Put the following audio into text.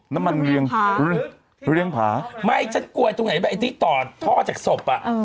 น้ำมันรูเรียงผารูเรียงผาไม่ฉันกลัวตรงไหนไปไอ้นี่ต่อท่อจากสบอ่ะ